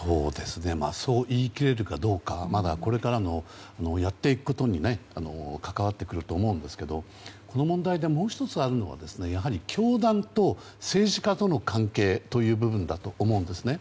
そう言い切れるかどうかはまだこれからのやっていくことに関わってくると思うんですがこの問題でもう１つあるのが教団と政治家との関係という部分だと思うんです。